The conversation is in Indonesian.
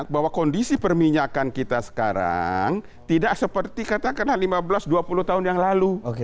bahwa kondisi perminyakan kita sekarang tidak seperti katakanlah lima belas dua puluh tahun yang lalu